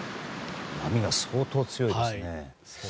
波が相当強いですね。